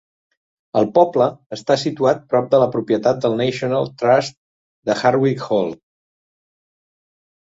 El poble està situat prop de la propietat del National Trust de Hardwick Hall.